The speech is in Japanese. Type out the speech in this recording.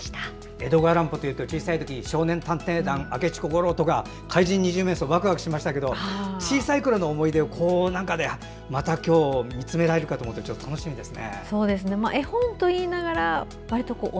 江戸川乱歩というと小さい時に「少年探偵団」「明智小五郎」とか「怪人二十面相」ワクワクしましたけど小さいころの思い出をまた今日を見つめられるかと思うと楽しみです。